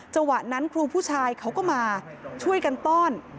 จังหวะนั้นครูผู้ชายเขาก็มาช่วยกันต้อน